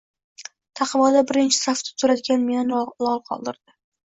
Taqvoda birinchi safda turadigani meni lol qoldirdi.